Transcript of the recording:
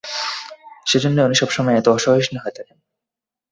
সেজন্যই উনি সবসময়ে এত অসহিষ্ণু হয়ে থাকেন।